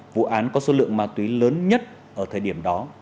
vụ án có số lượng ma túy lớn nhất ở thời điểm đó